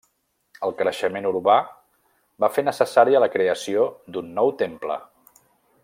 El creixement urbà va fer necessària la creació d'un nou temple.